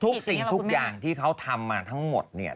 สิ่งทุกอย่างที่เขาทำมาทั้งหมดเนี่ย